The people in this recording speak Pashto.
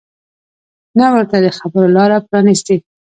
نه ورته د خبرو لاره پرانیستې